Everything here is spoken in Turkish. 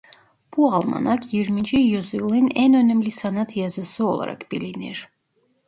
Bu almanak yirminci yüzyılın en önemli sanat yazısı olarak bilinir.